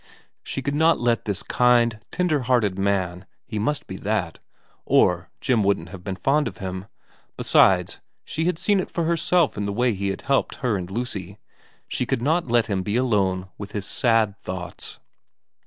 She could not let this kind, tender hearted man he must be that, or v VERA 51 Jim wouldn't have been fond of him, besides she had seen it for herself in the way he had helped her and Lucy she could not let him be alone with his sad thoughts.